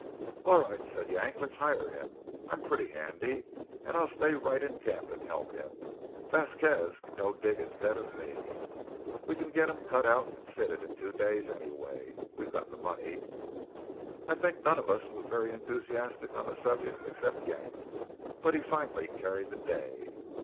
"All right," said Yank, "let's hire him. I'm pretty handy, and I'll stay right in camp and help him. Vasquez can go dig instead of me. We can get 'em cut out and fitted in two days, anyway. We've got the money!" I think none of us was very enthusiastic on this subject except Yank; but he finally carried the day.